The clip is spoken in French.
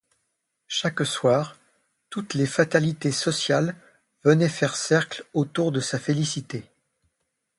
Chaque soir toutes les fatalités sociales venaient faire cercle autour de sa félicité.